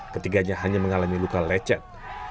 ketiganya hanya mengalami luka lecet